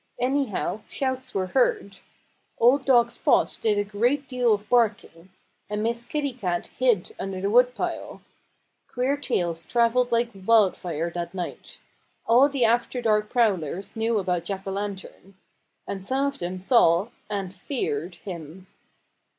Anyhow, shouts were heard. Old dog Spot did a great deal of barking. And Miss Kitty Cat hid under the woodpile. Queer tales travelled like wildfire that night. All the after dark prowlers knew about Jack O'Lantern. And some of them saw and feared him.